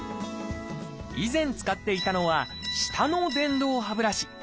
以前使っていたのは下の電動歯ブラシ。